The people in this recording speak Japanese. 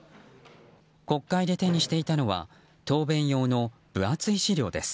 国会で手にしていたのは答弁用の分厚い資料です。